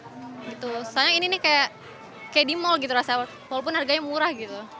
sebenarnya ini seperti di mall walaupun harganya murah